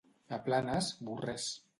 A Planes, borrers.